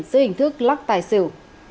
dưới hình thức lắc tài xử